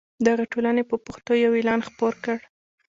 دغې ټولنې په پښتو یو اعلان خپور کړ.